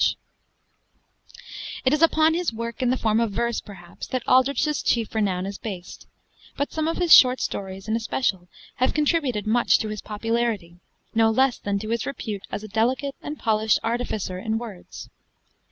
ALDRICH] It is upon his work in the form of verse, perhaps, that Aldrich's chief renown is based; but some of his short stories in especial have contributed much to his popularity, no less than to his repute as a delicate and polished artificer in words.